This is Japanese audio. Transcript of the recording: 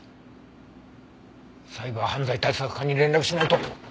サイバー犯罪対策課に連絡しないと。